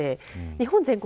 日本全国